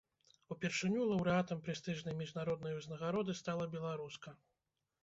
Упершыню лаўрэатам прэстыжнай міжнароднай узнагароды стала беларуска.